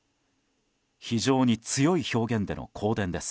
非常に強い表現での公電です。